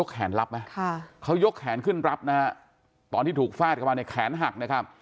เขายกแขนขึ้นรับตอนที่ถูกฝาดเขาแขนหัก